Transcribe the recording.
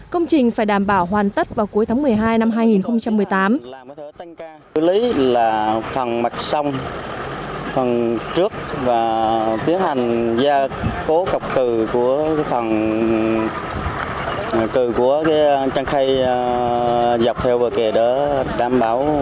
công trình phải đảm bảo hoàn tất vào cuối tháng một mươi hai năm hai nghìn một mươi tám